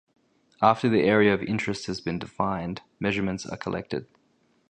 After the area of interest has been defined, measurements are collected.